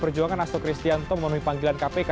perjuangan hasto kristianto memenuhi panggilan kpk